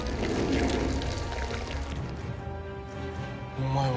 お前は。